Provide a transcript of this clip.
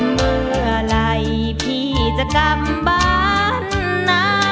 เมื่อไหร่พี่จะกลับบ้านนะ